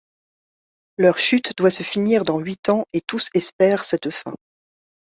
Leur Chute doit se finir dans huit ans et tous espèrent cette fin.